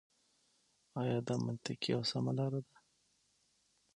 آيـا دا مـنطـقـي او سـمـه لاره ده.